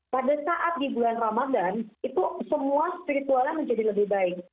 pada saat di bulan ramadan itu semua spiritualnya menjadi lebih baik